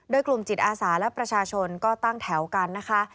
โดยกลุ่มจิตอาสาและประชาชนก็ตั้งแถวกันนะคะ